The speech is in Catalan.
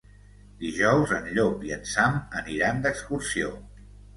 Dijous en Llop i en Sam aniran d'excursió.